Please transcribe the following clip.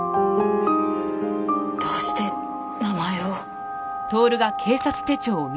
どうして名前を？